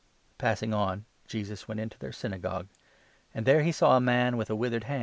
8 Passing on, Jesus went into their Synagogue, 9 a Mai? with ant^ there he saw a man with a withered hand.